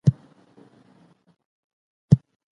د تاريخ پاڼې بايد له دروغه پاکې سي.